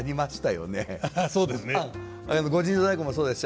そうですね。